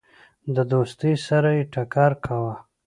د دوستی سره یې ټکر کاوه.